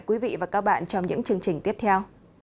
hẹn gặp lại các bạn trong những chương trình tiếp theo